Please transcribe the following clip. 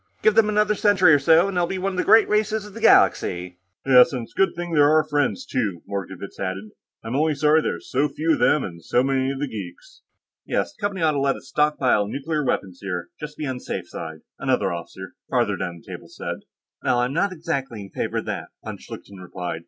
Give them another century or so and they'll be one of the great races of the galaxy." "Yes, and it's a good thing they're our friends, too," Mordkovitz added. "I'm only sorry there are so few of them, and so many of the geeks." "Yes, the Company ought to let us stockpile nuclear weapons here, just to be on the safe side," another officer, farther down the table, said. "Well, I'm not exactly in favor of that," von Schlichten replied.